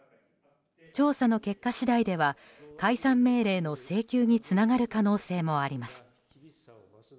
調査の結果次第では解散命令の請求につながる可能性もあります。